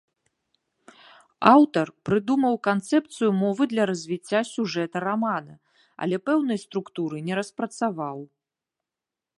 Аўтар прыдумаў канцэпцыю мовы для развіцця сюжэта рамана, але пэўнай структуры не распрацаваў.